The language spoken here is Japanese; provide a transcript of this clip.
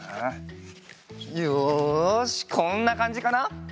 よしこんなかんじかな？